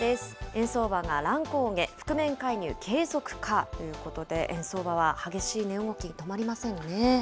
円相場が乱高下、覆面介入継続かということで、円相場は激しい値動き、止まりませんね。